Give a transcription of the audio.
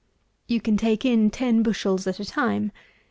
You can take in ten bushels at a time.